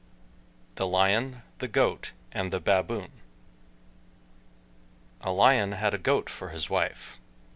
THE LION, THE GOAT, AND THE BABOON A Lion had a Goat for his wife.